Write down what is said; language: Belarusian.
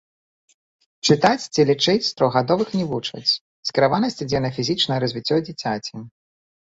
Чытаць ці лічыць трохгадовых не вучаць, скіраванасць ідзе на фізічнае развіццё дзіцяці.